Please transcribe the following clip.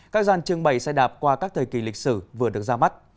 các gian trưng bày xe đạp qua các thời kỳ lịch sử vừa được ra mắt